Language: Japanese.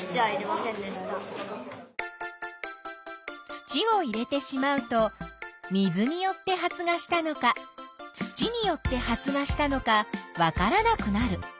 土を入れてしまうと水によって発芽したのか土によって発芽したのかわからなくなる。